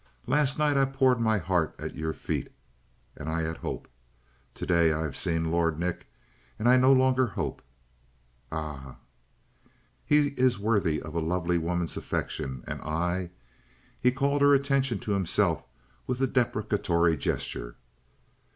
Last night I poured my heart at your feet. And I had hope. Today I have seen Lord Nick and I no longer hope." "Ah?" "He is worthy of a lovely woman's affection; and I " He called her attention to himself with a deprecatory gesture.